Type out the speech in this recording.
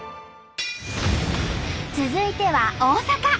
続いては大阪！